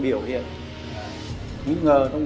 và thiết bị trong